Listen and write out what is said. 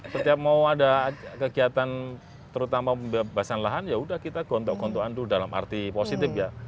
setiap mau ada kegiatan terutama pembebasan lahan ya udah kita gontok gontok adu dalam arti positif ya